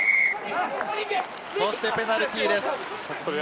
そしてペナルティーです。